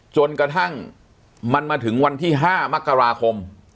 จนกระทั่งมันมาถึงวันที่๕มกราคม